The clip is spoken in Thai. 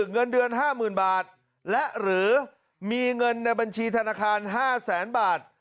เงินเดือน๕๐๐๐บาทและหรือมีเงินในบัญชีธนาคาร๕แสนบาท